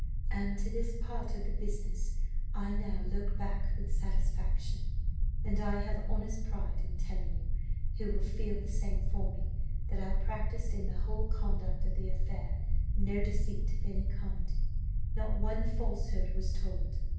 And to this part of the business I now look back with satisfaction, and I have honest pride in telling you, who will feel the same for me, that I practised in the whole conduct of the affair no deceit of any kind, not one falsehood was told.